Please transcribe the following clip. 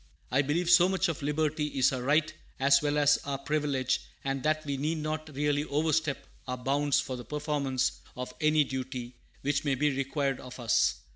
I believe so much of liberty is our right as well as our privilege, and that we need not really overstep our bounds for the performance of any duty which may be required of us.